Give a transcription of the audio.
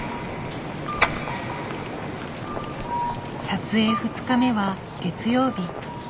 撮影２日目は月曜日。